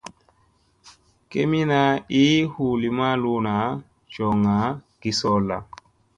Kemina ii hu Lima luuna, joŋga, gi soolla.